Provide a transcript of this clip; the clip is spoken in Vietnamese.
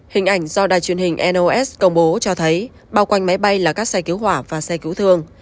hình ảnh do đài truyền hình nos công bố cho thấy bao quanh máy bay là các xe cứu hỏa và xe cứu thương